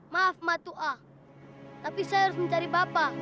maaf matuah tapi saya harus mencari bapak